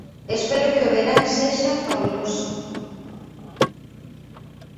Espero que o verán sexa fabuloso.